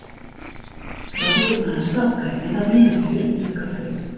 Dan wie it mar in stapke en dan wienen se hjir yn it kafee.